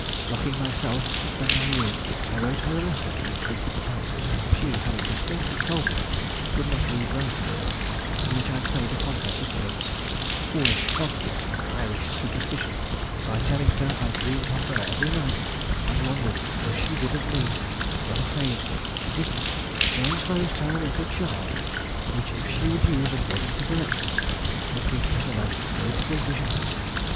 Locking myself up in my room, I wrote her a letter in printed characters she having distinctly told me she could not read writing in which I played upon her ignorance, foolish fondness, and Irish superstition, by telling her I dreamed of her every night and wondered if she did of me; was afraid she didn't, so enclosed her a little charm, which, if she would use according to directions, would give her the most beautiful visions.